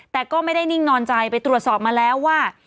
แต่ก็ไม่ได้นิ่งนอนใจไปตรวจสอบมาแล้วว่า